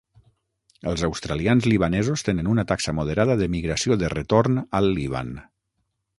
Els australians libanesos tenen una taxa moderada de migració de retorn al Líban.